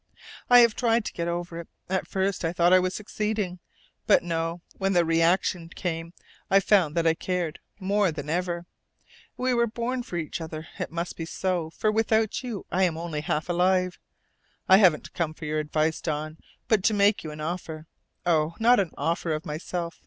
"I have tried to get over it. At first I thought I was succeeding. But no, when the reaction came, I found that I cared more than ever. We were born for each other. It must be so, for without you I am only half alive. I haven't come for your advice, Don, but to make you an offer. Oh, not an offer of myself.